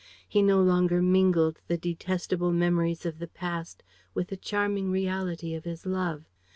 He no longer mingled the detestable memories of the past with the charming reality of his love.